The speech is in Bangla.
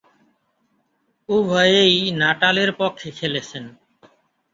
উভয়েই নাটালের পক্ষে খেলেছেন।